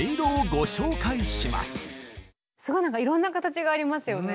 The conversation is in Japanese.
すごいなんかいろんな形がありますよね。